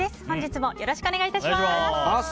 本日もよろしくお願い致します。